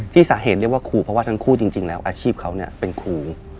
สาเหตุเรียกว่าครูเพราะว่าทั้งคู่จริงแล้วอาชีพเขาเป็นครู